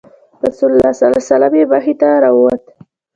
رسول الله صلی الله علیه وسلم یې مخې ته راووت.